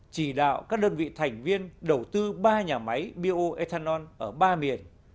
chỉ đạo các đơn vị thành viên đầu tư ba nhà máy bioethanol ở ba miền